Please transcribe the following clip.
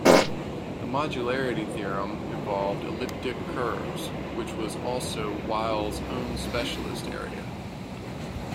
The modularity theorem involved elliptic curves, which was also Wiles's own specialist area.